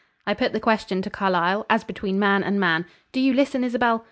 I put the question to Carlyle as between man and man do you listen, Isabel!